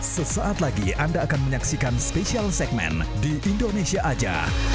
sesaat lagi anda akan menyaksikan spesial segmen di indonesia aja